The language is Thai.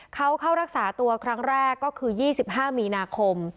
เขาเข้ารักษาตัวครั้งแรกก็คือ๒๕มีนาคม